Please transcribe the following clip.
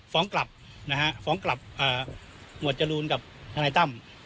ฟ้องกลับนะฮะฟ้องกลับหมวดจรูนกับทนายตั้ม